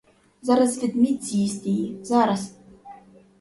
Зараз ведмідь з'їсть її — зараз!